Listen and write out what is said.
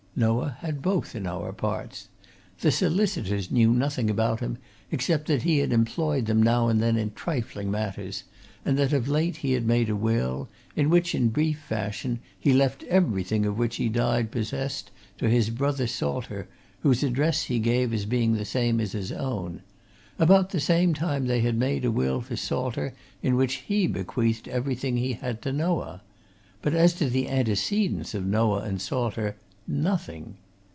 Noah had both in our parts. The solicitors knew nothing about him except that he had employed them now and then in trifling matters, and that of late he had made a will in which, in brief fashion, he left everything of which he died possessed to his brother Salter, whose address he gave as being the same as his own; about the same time they had made a will for Salter, in which he bequeathed everything he had to Noah. But as to the antecedents of Noah and Salter nothing!